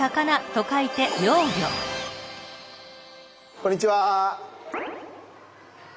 こんにちは。